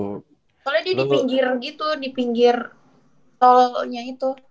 kalau dia di pinggir gitu di pinggir tolnya itu